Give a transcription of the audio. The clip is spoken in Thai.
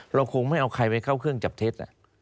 เราคงไม่เอาใครไปเข้าเครื่องจับเท็จ